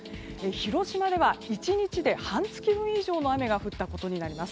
広島では１日で半月分以上の雨が降ったことになります。